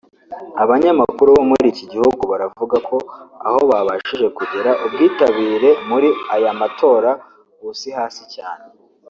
Abanyamakuru bo muri iki gihugu baravuga ko aho babashije kugera ubwitabire muri aya matora busi hasi cyane